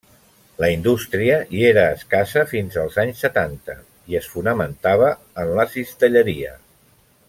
La indústria hi era escassa fins als anys setanta i es fonamentava en la cistelleria.